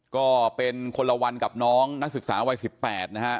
ก็เป็นคนละวันกับน้องนักศึกษาวัย๑๘นะฮะ